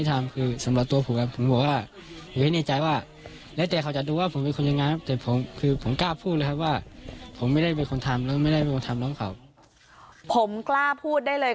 ผมกล้าพูดเลยครับว่าผมไม่ได้เป็นคนทำนะไม่ได้ทำล้องข่าวผมกล้าพูดได้เลย